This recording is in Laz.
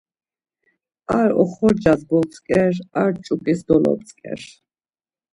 Ar oxorcas botzǩer ar ç̌uǩis dolop̌tzǩer.